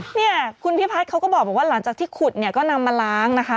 เนี่ยคุณพิพัฒน์เขาก็บอกว่าหลังจากที่ขุดเนี่ยก็นำมาล้างนะคะ